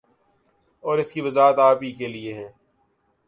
اور اس کی وضاحت آپ ہی کیلئے ہیں